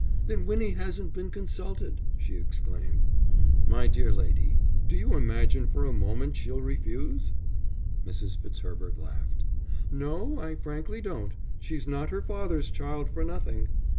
"Then Winnie hasn't been consulted?" she exclaimed. "My dear lady, do you imagine for a moment she'll refuse?" Mrs. Fitzherbert laughed. "No, I frankly don't. She's not her father's child for nothing."